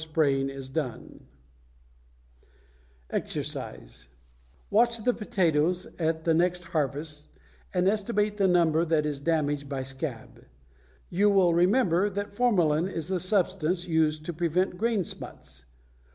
SPRAYING MACHINE] =EXERCISE= Watch the potatoes at the next harvest and estimate the number that is damaged by scab. You will remember that formalin is the substance used to prevent grain smuts.